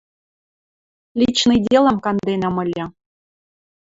Личный делам канденӓм ыльы.